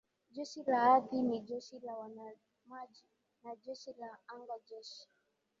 Jeshi la Ardhi ni Jeshi la Wanamaji na Jeshi la Anga Jeshi